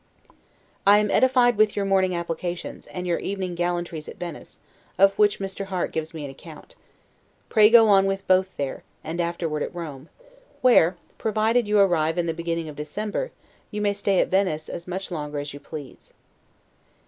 I am edified with your morning applications, and your evening gallantries at Venice, of which Mr. Harte gives me an account. Pray go on with both there, and afterward at Rome; where, provided you arrive in the beginning of December, you may stay at Venice as much longer as you please.